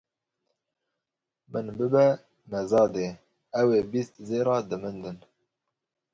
Min bibe mezadê, ew ê bîst zêra di min din.